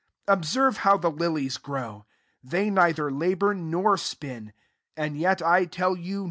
27 Observe how the li lies grow : they neither labour nor spin; and yet I tell you.